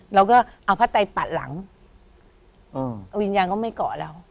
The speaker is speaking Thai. เราก็เอาผ้าไตปัดหลังเอาวิญญาณก็ไม่เกาะเรา